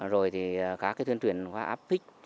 rồi thì các tuyên truyền qua app pick